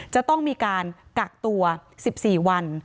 จะต้องมีการกักตัว๑๔วัน